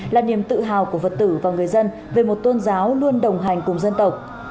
là niềm tự hào của phật tử và người dân về một tôn giáo luôn đồng hành cùng dân tộc